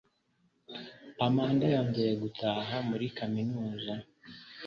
Amanda yongeye gutaha muri kaminuza